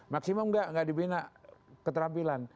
maksimum enggak dibina keterampilan